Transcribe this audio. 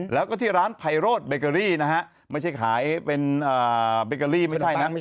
แล้วก็ที่ร้านไพโรดเบเกอรี่นะฮะไม่ใช่ขายเป็นเบเกอรี่ไม่ใช่นะ